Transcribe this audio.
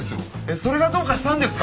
それがどうかしたんですか？